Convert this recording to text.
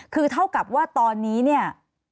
คือเท่ากับว่าตอนนี้เนี่ย